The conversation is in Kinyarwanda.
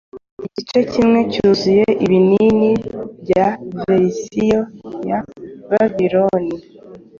Igice kimwe cyuzuye ibinini bya verisiyo ya Babiloni